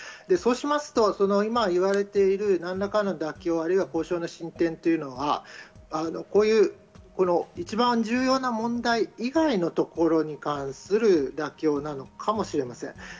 そうしますと、今言われている何らかの妥協、あるいは交渉の進展というのは一番重要な問題以外のところに関する妥協なのかもしれません。